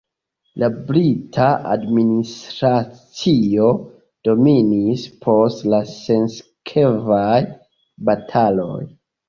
La brita administracio dominis post la sinsekvaj bataloj.